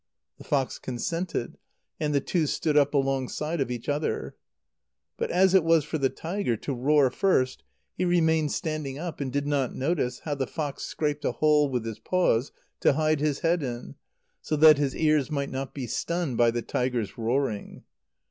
The fox consented, and the two stood up alongside of each other. But as it was for the tiger to roar first, he remained standing up, and did not notice how the fox scraped a hole with his paws to hide his head in, so that his ears might not be stunned by the tiger's roaring.